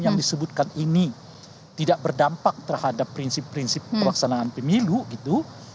yang disebutkan ini tidak berdampak terhadap prinsip prinsip pelaksanaan pemilu gitu